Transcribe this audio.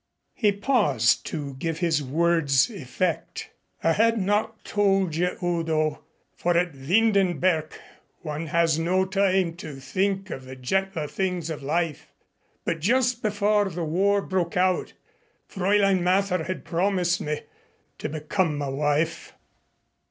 He paused to give his words effect. "I had not told you, Udo, for at Windenberg one has no time to think of the gentler things of life. But just before the war broke out Fräulein Mather had promised me to become my wife."